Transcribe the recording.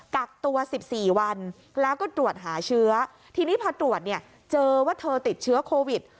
กักตัว๑๔วันแล้วก็ตรวจหาเชื้อทีนี้พอตรวจเนี่ยเจอว่าเธอติดเชื้อโควิด